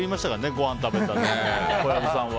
ごはんを食べたあと、小籔さんは。